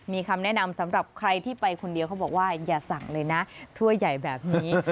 มีคำแนะนำสำหรับใครที่ไปคนเดียวเขาบอกว่าอย่าสั่งเลยนะถ้วยใหญ่แบบนี้